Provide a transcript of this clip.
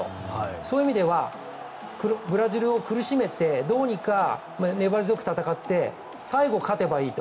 そういう意味ではブラジルを苦しめてどうにか粘り強く戦って最後、勝てばいいと。